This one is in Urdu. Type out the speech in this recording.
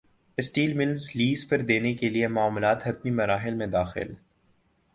اسٹیل ملز لیز پر دینے کیلئے معاملات حتمی مراحل میں داخل